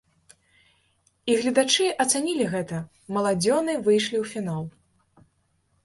І гледачы ацанілі гэта, маладзёны выйшлі ў фінал.